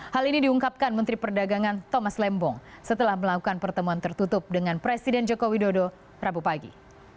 hal ini diungkapkan menteri perdagangan thomas lembong setelah melakukan pertemuan tertutup dengan presiden joko widodo rabu pagi